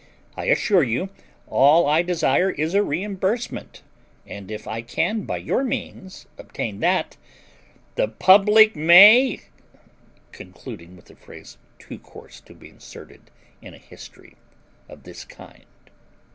I assure you, all I desire is a reimbursement; and if I can by your means obtain that, the public may ;" concluding with a phrase too coarse to be inserted in a history of this kind.